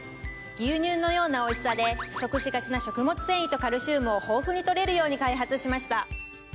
牛乳のようなおいしさで不足しがちな食物繊維とカルシウムを豊富に取れるように開発しました。